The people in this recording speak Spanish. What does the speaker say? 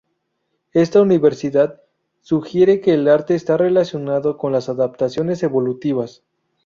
Esta universalidad sugiere que el arte está relacionado con las adaptaciones evolutivas.